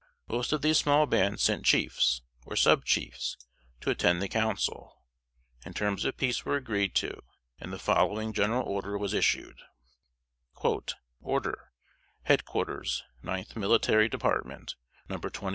Most of these small bands sent chiefs, or sub chiefs, to attend the council; and terms of peace were agreed to, and the following General Order was issued: "ORDER,} HEAD QUARTERS NINTH MILITARY DEPARTMENT,} No.